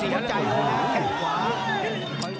ก็ค่อยออกมา